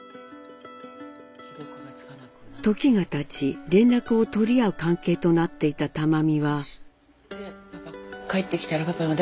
時がたち連絡を取り合う関係となっていた玉美は。